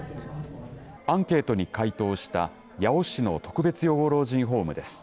アンケートに回答した八尾市の特別養護老人ホームです。